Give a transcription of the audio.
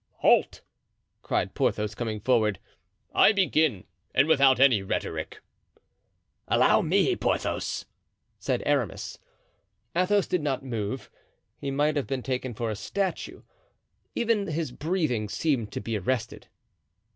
"Halt!" cried Porthos coming forward. "I begin, and without any rhetoric." "Allow me, Porthos," said Aramis. Athos did not move. He might have been taken for a statue. Even his breathing seemed to be arrested.